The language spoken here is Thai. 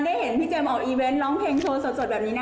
ได้เห็นพี่เจมส์ออกอีเวนต์ร้องเพลงโชว์สดแบบนี้นะ